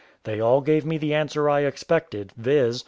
They all gave me the answer I expected, viz.